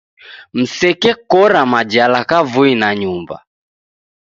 Msekekora majala kavui na nyumba